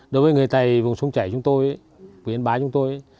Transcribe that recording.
đối với người tày vùng sông chảy chúng tôi quý nhân bái chúng tôi